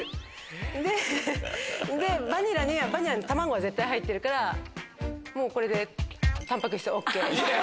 でバニラには卵は絶対入ってるからもうこれでタンパク質ＯＫ。